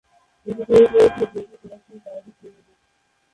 এটি তৈরি করেছে জেডি প্রোডাকশনস প্রাইভেট লিমিটেড।